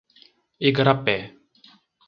Igarapé